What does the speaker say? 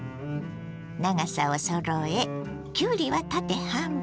長さをそろえきゅうりは縦半分。